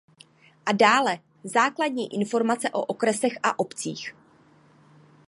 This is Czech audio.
A dále základní informace o okresech a obcích.